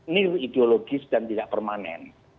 nil ideologis dan tidak permanen